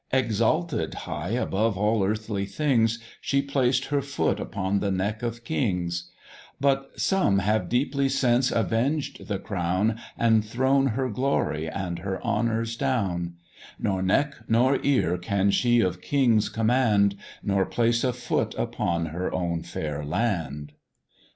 Exalted high above all earthly things, She placed her foot upon the neck of kings; But some have deeply since avenged the crown, And thrown her glory and her honours down; Nor neck nor ear can she of kings command, Nor place a foot upon her own fair land.